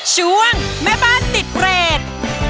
ช่วงแม่บ้านติดเรท